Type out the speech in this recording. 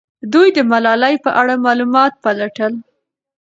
دوی د ملالۍ په اړه معلومات پلټل.